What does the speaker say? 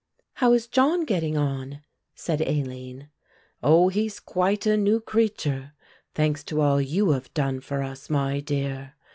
"How is John getting on?" said Aline. "Oh, he's quite a new creature, thanks to all you have done for us, my dear.